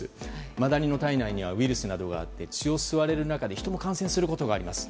マダニの体内にはウイルスなどがあって血を吸われる中で人も感染することがあります。